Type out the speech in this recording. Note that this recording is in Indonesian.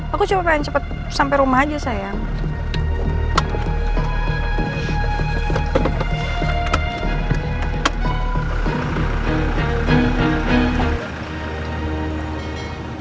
aku cuma pengen cepet sampe rumah aja sayang